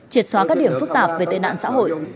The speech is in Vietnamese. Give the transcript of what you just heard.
triệt xóa các điểm phức tạp về tệ nạn xã hội